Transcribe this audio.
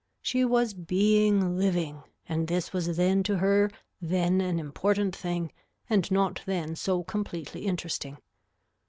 She was being living and this was then to her then an important thing and not then so completely interesting.